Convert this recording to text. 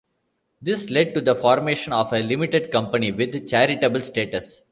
This led to the formation of a Limited Company with charitable status.